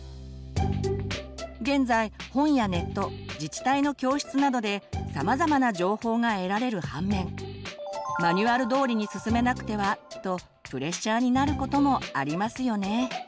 現在本やネット自治体の教室などでさまざまな情報が得られる反面マニュアル通りに進めなくてはとプレッシャーになることもありますよね。